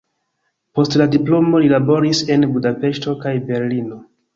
Post la diplomo li laboris en Budapeŝto kaj Berlino.